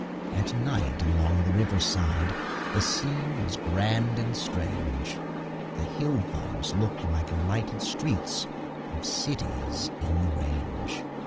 At night along the river side The scene was grand and strange The hill fires looked like lighted streets Of cities in the range.